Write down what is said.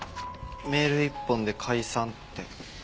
メール１本で「解散」って。